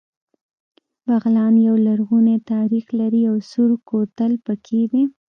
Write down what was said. بغلان يو لرغونی تاریخ لري او سور کوتل پکې دی